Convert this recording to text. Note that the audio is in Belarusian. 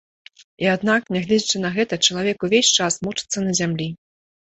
І аднак, нягледзячы на гэта, чалавек увесь час мучыцца на зямлі.